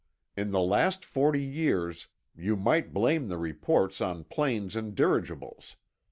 In the last forty years, you might blame the reports on planes and dirigibles.